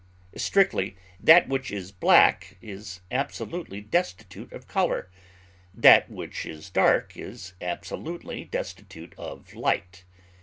Strictly, that which is black is absolutely destitute of color; that which is dark is absolutely destitute of light.